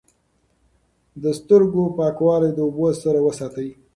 د سترګو پاکوالی د اوبو سره وساتئ.